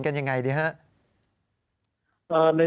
กันยังไงดีฮะ